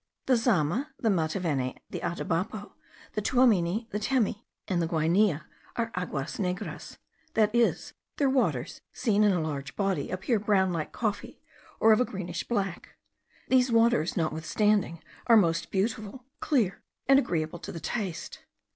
The Zama, the Mataveni, the Atabapo, the Tuamini, the Temi, and the Guainia, are aguas negras, that is, their waters, seen in a large body, appear brown like coffee, or of a greenish black. These waters, notwithstanding, are most beautiful, clear, and agreeable to the taste.